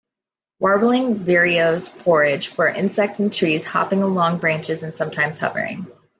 Warbling vireos forage for insects in trees, hopping along branches and sometimes hovering.